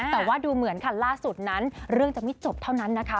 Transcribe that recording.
แต่ว่าดูเหมือนค่ะล่าสุดนั้นเรื่องจะไม่จบเท่านั้นนะคะ